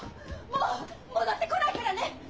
もう戻ってこないからね！